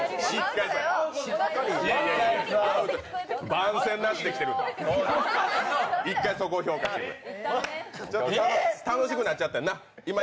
番宣なしで来てるから、１回、そこを評価してくれ。